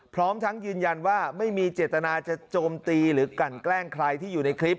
พร้อมทั้งยืนยันว่าไม่มีเจตนาจะโจมตีหรือกันแกล้งใครที่อยู่ในคลิป